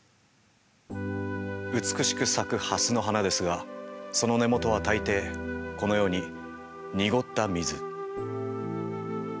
美しく咲くハスの花ですがその根元は大抵このように濁った水。